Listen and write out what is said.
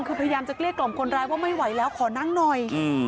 คือพยายามจะเกลี้ยกล่อมคนร้ายว่าไม่ไหวแล้วขอนั่งหน่อย